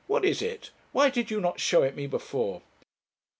'What is it? Why did you not show it me before?'